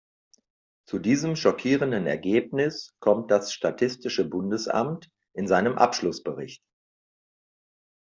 Zu diesem schockierenden Ergebnis kommt das statistische Bundesamt in seinem Abschlussbericht.